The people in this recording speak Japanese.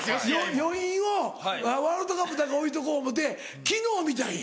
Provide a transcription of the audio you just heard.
余韻をワールドカップだけ置いておこう思うて昨日見たんや。